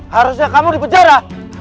harusnya kamu di penjara